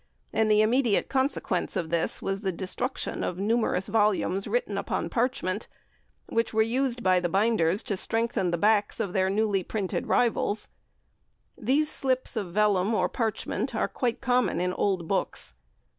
and the immediate consequence of this was the destruction of numerous volumes written upon parchment, which were used by the binders to strengthen the backs of their newly printed rivals. These slips of vellum or parchment are quite common in old books.